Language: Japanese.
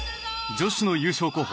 女子の優勝候補